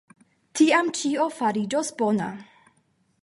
Tiam ĉio fariĝos bona.